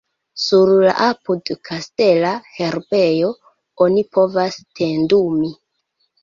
Sur la apud-kastela herbejo oni povas tendumi.